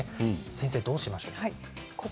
先生、どうしましょう。